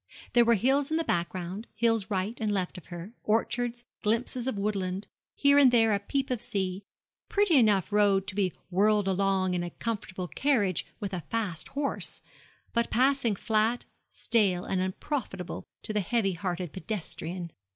There were hills in the background, hills right and left of her, orchards, glimpses of woodland here and there a peep of sea a pretty enough road to be whirled along in a comfortable carriage with a fast horse, but passing flat, stale, and unprofitable to the heavy hearted pedestrian.